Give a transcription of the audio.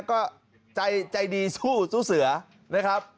ก็ใจดีสู้เสือนะครับ